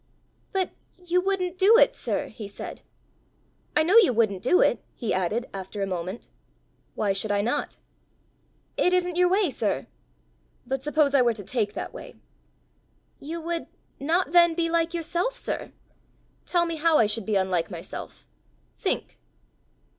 "But you wouldn't do it, sir!" he said. " I know you wouldn't do it!" he added, after a moment. "Why should I not?" "It isn't your way, sir." "But suppose I were to take that way?" "You would not then be like yourself, sir!" "Tell me how I should be unlike myself. Think."